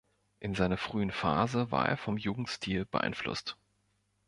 In seiner frühen Phase war er vom Jugendstil beeinflusst.